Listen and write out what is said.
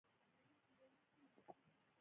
څنګه کولی شم د ماشومانو لپاره د پخلی کلاس جوړ کړم